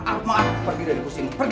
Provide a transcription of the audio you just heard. maaf maaf pergi dari kursimu pergi